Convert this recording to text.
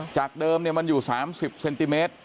จากเดิมมันอยู่๓๐เซนติเมตร